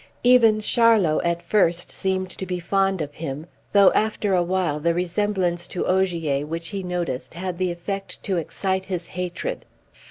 Even Charlot at first seemed to be fond of him, though after a while the resemblance to Ogier which he noticed had the effect to excite his hatred.